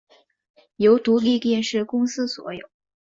由独立电视公司所有。